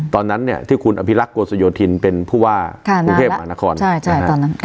ตอนนั้นเนี่ยที่คุณอภิรักษ์โกศโยธินเป็นผู้ว่าคุณเทพมหานครใช่ใช่ตอนนั้นครับ